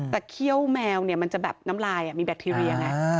แต่เขี้ยวแมวเนี่ยมันจะแบบน้ำลายมีแบคทีเรียไง